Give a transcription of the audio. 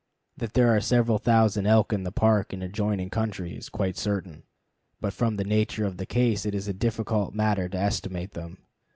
That there are several thousand elk in the Park and adjoining country is quite certain, but from the nature of the case it is a difficult matter to estimate them.